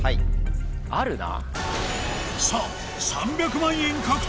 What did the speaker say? あるな。